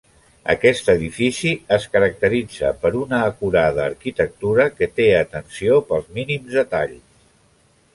Aquest edifici es caracteritza per una acurada arquitectura, que té atenció pels mínims detalls.